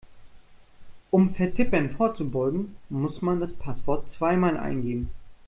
Um Vertippern vorzubeugen, muss man das Passwort zweimal eingeben.